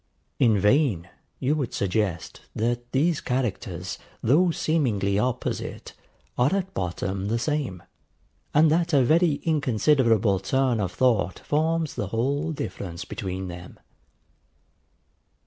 In vain would you suggest that these characters, though seemingly opposite, are at bottom the same, and that a very inconsiderable turn of thought forms the whole difference between them.